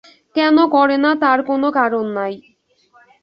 কেন করে না তার কোনো কারণ নাই।